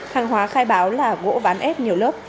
hàng hóa khai báo là gỗ ván ép nhiều lớp